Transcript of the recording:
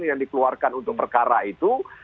yang dikeluarkan untuk perkara itu